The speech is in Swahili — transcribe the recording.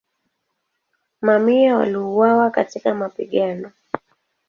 Mamia waliuawa katika mapigano.